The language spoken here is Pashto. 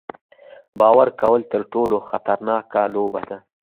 باور کول تر ټولو خطرناکه لوبه ده.